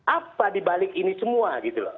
apa dibalik ini semua